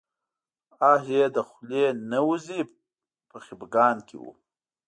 آه یې له خولې نه وځي په خپګان کې و.